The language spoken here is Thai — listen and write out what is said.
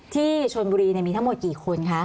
ที่ชนบุรีมีทั้งหมดกี่คนคะ